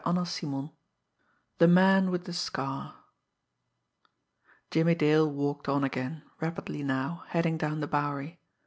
CHAPTER III THE MAN WITH THE SCAR Jimmie Dale walked on again, rapidly now, heading down the Bowery.